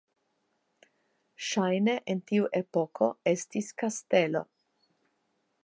Ŝajne en tiu epoko estis kastelo.